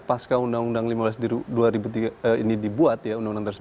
pasca undang undang lima belas dua ribu tiga ini dibuat ya